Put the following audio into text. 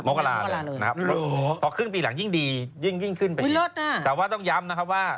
โมกราเลยนะครับพอครึ่งปีหลังยิ่งดียิ่งขึ้นไปดีแต่ว่าต้องย้ำนะครับว่า